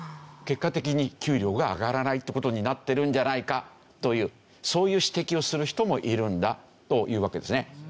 結果的に給料が上がらないって事になってるんじゃないかというそういう指摘をする人もいるんだというわけですね。